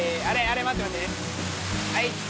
はい。